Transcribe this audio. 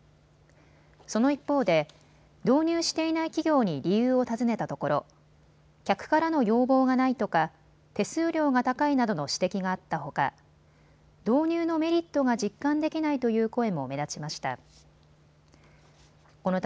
その一方で導入していない企業に理由を尋ねたところ客からの要望がないとか手数料が高いなどの指摘があったほか導入のメリットが実感できないという声も目立ちました。